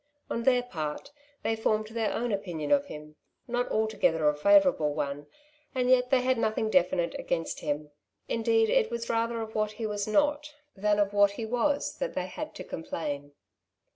'^ On their part they formed their own opinion of him — not altogether a favourable one, and yet they had nothing definite against him; indeed it was rather of what he was not, than of what he was, that they had to complain.